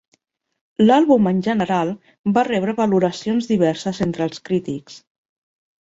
L'àlbum en general va rebre valoracions diverses entre els crítics.